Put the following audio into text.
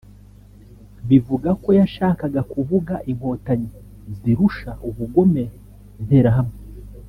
Bivuga ko yashakaga kuvuga inkotanyi zirusha ubugome interahamwe